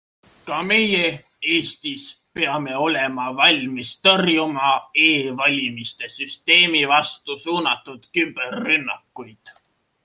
Ka meie, Eestis, peame olema valmis tõrjuma e-valimiste süsteemi vastu suunatud küberrünnakuid.